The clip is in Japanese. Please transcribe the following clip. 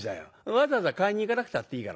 わざわざ買いに行かなくたっていいから。